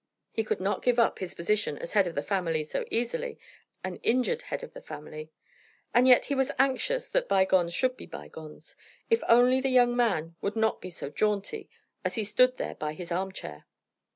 He could not give up his position as head of the family so easily, an injured head of the family. And yet he was anxious that by gones should be by gones, if only the young man would not be so jaunty, as he stood there by his arm chair.